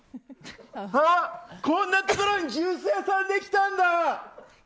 わっ、こんなところにジュース屋さんできたんだ！